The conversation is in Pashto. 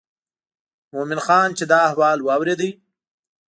مومن خان چې دا احوال واورېد.